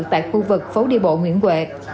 tại khu vực phố đi bộ nguyễn huệ